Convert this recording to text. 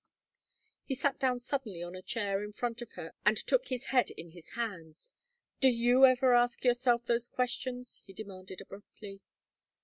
'" He sat down suddenly on a chair in front of her and took his head in his hands. "Do you ever ask yourself those questions?" he demanded, abruptly.